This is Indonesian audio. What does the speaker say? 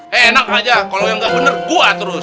hei enak aja kalo yang gak bener gua terus